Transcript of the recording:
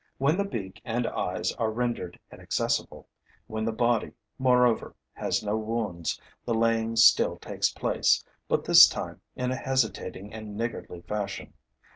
When the beak and eyes are rendered inaccessible, when the body, moreover, has no wounds, the laying still takes place, but, this time, in a hesitating and niggardly fashion.